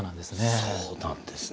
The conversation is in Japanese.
そうなんですね。